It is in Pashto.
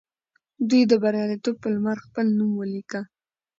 دوی د بریالیتوب پر لمر خپل نوم ولیکه.